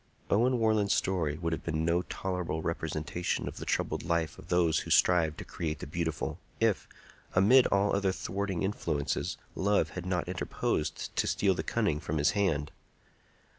Owen Warland's story would have been no tolerable representation of the troubled life of those who strive to create the beautiful, if, amid all other thwarting influences, love had not interposed to steal the cunning from his hand.